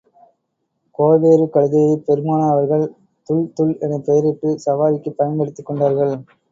கோவேறு கழுதையைப் பெருமானார் அவர்கள் துல் துல் எனப் பெயரிட்டு சவாரிக்குப் பயன்படுத்திச் கொண்டார்கள்.